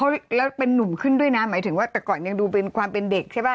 แล้วเป็นนุ่มขึ้นด้วยนะหมายถึงว่าแต่ก่อนยังดูเป็นความเป็นเด็กใช่ป่